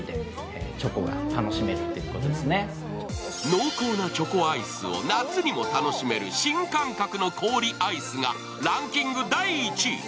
濃厚なチョコアイスを夏にも楽しめる新感覚の氷アイスがランキング第１位。